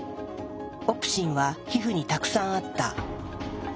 オプシンは皮膚にたくさんあった。